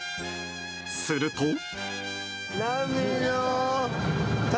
すると。